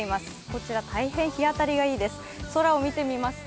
こちら、大変日当たりがいいです。